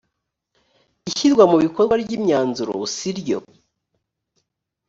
ishyirwa mu bikorwa ry ‘imyanzuro siryo .